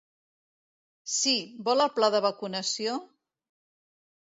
Sí, vol el pla de vacunació?